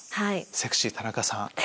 『セクシー田中さん』。